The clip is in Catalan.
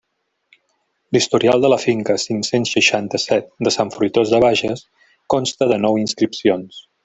L'historial de la finca cinc-cents seixanta-set de Sant Fruitós de Bages consta de nou inscripcions.